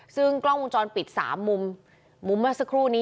ซึ่งกล้องวงจรปิด๓มุมมุมเมื่อสักครู่นี้